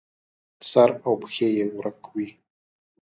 سر او پښې یې ورک وي.